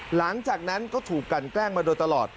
หลังจากนั้นก็ถูกกันแกล้งมาโดยตลอด